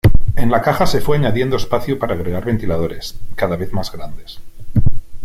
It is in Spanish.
En la caja se fue añadiendo espacio para agregar ventiladores, cada vez más grandes.